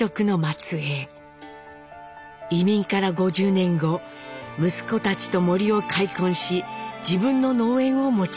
移民から５０年後息子たちと森を開墾し自分の農園を持ちました。